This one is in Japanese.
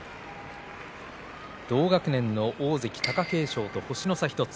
同学年の大関貴景勝と星の差１つ。